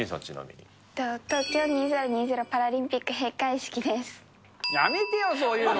東京２０２０パラリンピックやめてよ、そういうの！